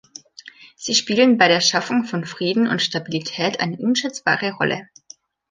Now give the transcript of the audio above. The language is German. Sie spielen bei der Schaffung von Frieden und Stabilität eine unschätzbare Rolle.